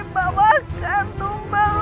bawa kantung bau